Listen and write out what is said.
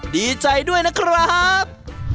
ดีใจด้วยนะครับ